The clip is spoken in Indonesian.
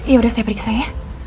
ya udah saya periksa ya